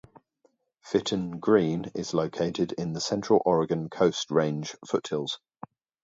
Fitton Green is located in the Central Oregon Coast Range foothills.